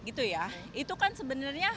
gitu ya itu kan sebenarnya